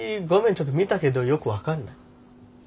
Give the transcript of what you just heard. ちょっと見たけどよく分かんない。